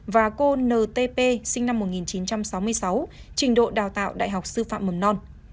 và cô ntp sinh năm một nghìn chín trăm sáu mươi sáu trình độ đào tạo đại học sư phạm mầm non